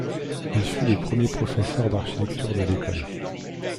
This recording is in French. Il fut le premier professeur d'architecture de l'école.